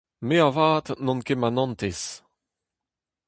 Me avat n'on ket manantez !